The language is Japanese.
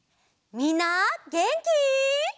みんなげんき？